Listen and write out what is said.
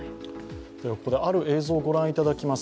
ここで、ある映像を御覧いただきます。